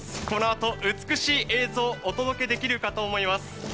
このあと美しい映像、お届けできるかと思います。